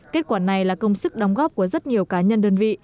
kết quả này là công sức đóng góp của rất nhiều cá nhân đơn vị